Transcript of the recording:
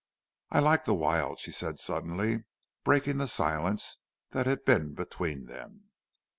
"I like the Wild," she said suddenly, breaking the silence that had been between them.